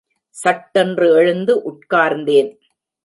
சட்டென்று எழுந்து உட்கார்ந்தேன்.